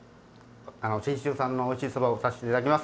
泉州産のおいしいそばを打たせていただきます。